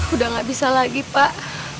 udah gak bisa lagi pak